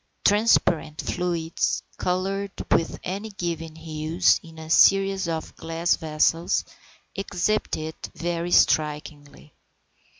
Transparent fluids, coloured with any given hues, in a series of glass vessels, exhibit it very strikingly.